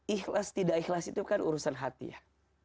ikhlas tidak ikhlas itu kan urusan hati ya